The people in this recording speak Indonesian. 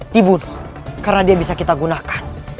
dibunuh karena dia bisa kita gunakan